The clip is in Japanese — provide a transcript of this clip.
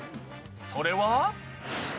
それは？